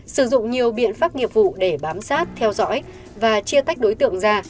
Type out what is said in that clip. sử dụng nhiều biện pháp nghiệp vụ để bám sát theo dõi và chia tách đối tượng ra